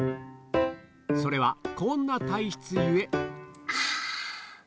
それはこんな体質ゆえ。